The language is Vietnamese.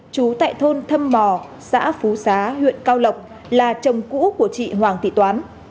chú tại thôn thâm mò xã phú xá huyện cao lộc là chồng cũ của chị hoàng thị toán